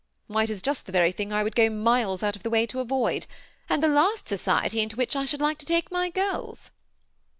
Why, it is just the very thing I would go miles out of the wi^ to avoid, and the last society into which I should like to take my girls.